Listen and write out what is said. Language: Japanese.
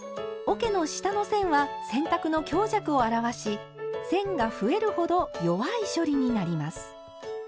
おけの下の線は洗濯の強弱を表し線が増えるほど弱い処理になります。